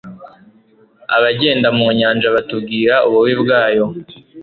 abagenda mu nyanja batubwira ububi bwayo